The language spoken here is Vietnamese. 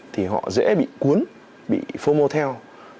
thì họ dễ bị cuốn bị phô mô theo